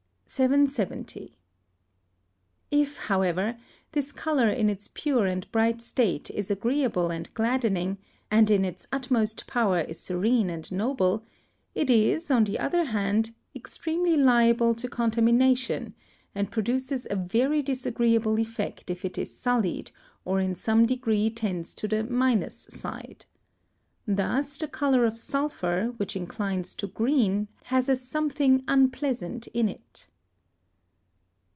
770. If, however, this colour in its pure and bright state is agreeable and gladdening, and in its utmost power is serene and noble, it is, on the other hand, extremely liable to contamination, and produces a very disagreeable effect if it is sullied, or in some degree tends to the minus side. Thus, the colour of sulphur, which inclines to green, has a something unpleasant in it.